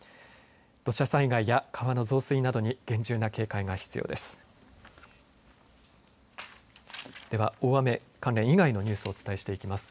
土砂災害や川の増水などに厳重な警戒が必要です。